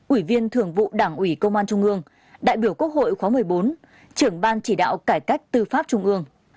ủy viên thường vụ đảng ủy công an trung ương đại biểu quốc hội khóa một mươi bốn trưởng ban chỉ đạo cải cách tư pháp trung ương